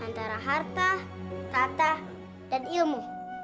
antara harta kata dan ilmu